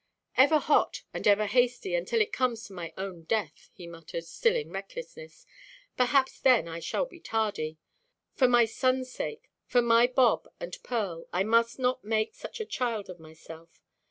"Ever hot and ever hasty, until it comes to my own death," he muttered, still in recklessness; "perhaps then I shall be tardy. For my sonʼs sake, for my Bob and Pearl, I must not make such a child of myself.